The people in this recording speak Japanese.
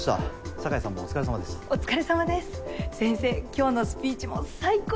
今日のスピーチも最高でした！